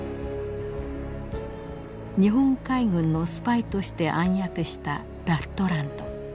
日本海軍のスパイとして暗躍したラットランド。